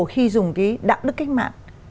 khi dùng cái đạo đức cách mạng